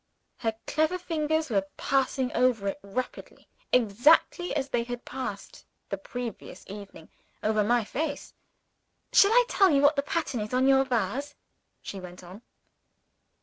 Her clever fingers were passing over it rapidly, exactly as they had passed, the previous evening, over my face. "Shall I tell you what the pattern is on your vase?" she went on.